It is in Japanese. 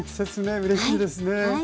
うれしいですね。